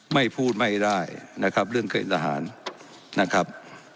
ไม่พูดไม่ได้นะครับเรื่องเกรดทหารนะครับ